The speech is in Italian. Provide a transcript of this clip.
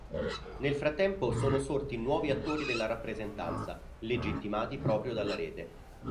Nel frattempo, sono sorti nuovi attori della rappresentanza, legittimati proprio dalla rete.